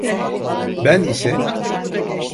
Ben ise…